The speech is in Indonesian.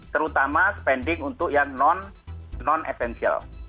terutama spending untuk yang non essential